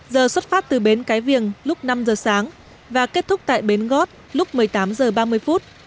giờ xuất phát từ bến cái viềng lúc năm giờ sáng và kết thúc tại bến gót lúc một mươi tám h ba mươi phút